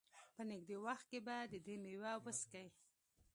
په نېږدې وخت کې به د دې مېوه وڅکي.